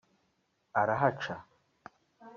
arahaca